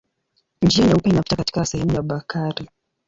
Njia Nyeupe inapita katika sehemu ya Bakari.